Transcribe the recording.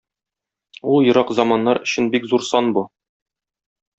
Ул ерак заманнар өчен бик зур сан бу.